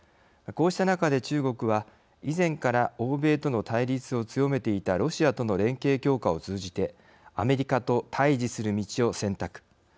こうした中で中国は、以前から欧米との対立を強めていたロシアとの連携強化を通じてアメリカと対じする道を選択。